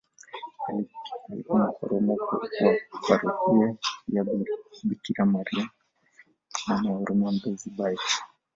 Alikuwa paroko wa parokia ya Bikira maria Mama wa huruma mbezi baech